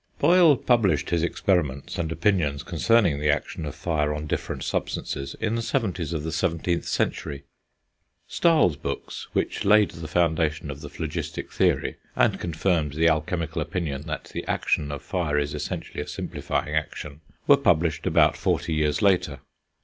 Boyle published his experiments and opinions concerning the action of fire on different substances in the seventies of the 17th century; Stahl's books, which laid the foundation of the phlogistic theory, and confirmed the alchemical opinion that the action of fire is essentially a simplifying action, were published about forty years later.